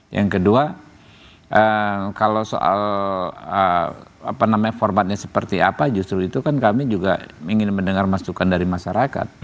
yang kedua kalau soal formatnya seperti apa justru itu kan kami juga ingin mendengar masukan dari masyarakat